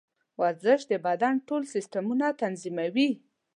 ورزش د بدن ټول سیسټمونه تنظیموي.